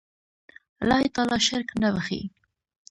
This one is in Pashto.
الله تعالی شرک نه بخښي